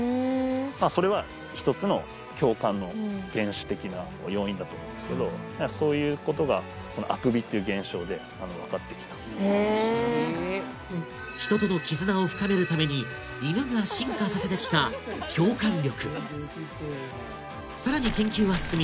まぁそれはふん１つの共感の原始的な要因だと思うんですけどはいそういうことがへぇ不思議人との絆を深めるために犬が進化させてきた「共感力」さらに研究は進み